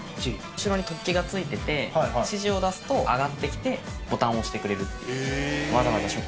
後ろに突起が付いてて指示を出すと上がって来てボタンを押してくれるっていう。